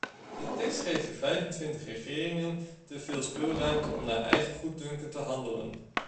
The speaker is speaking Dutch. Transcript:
De tekst geeft de vijfentwintig regeringen teveel speelruimte om naar eigen goeddunken te handelen.